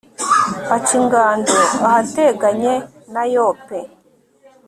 aca ingando ahateganye na yope